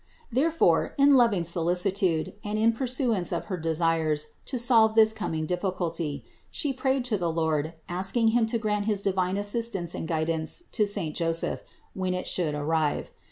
Therefore, in loving solicitude and in pursuance of her desires to solve this coming difficulty, She prayed to the Lord, asking Him to grant his divine assistance and guidance to saint Joseph, when it should arrive.